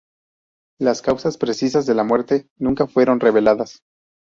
Las causas precisas de la muerte nunca fueron reveladas.